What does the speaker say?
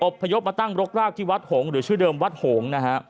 พยพมาตั้งรกรากที่วัดหงษ์หรือชื่อเดิมวัดโหงนะฮะ